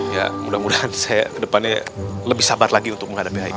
ya mudah mudahan saya ke depannya lebih sabar lagi untuk menghadapi ayah